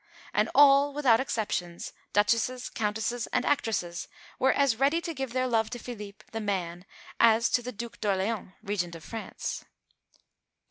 And all, without exception duchesses, countesses, and actresses were as ready to give their love to Philippe, the man, as to the Duc d'Orléans, Regent of France.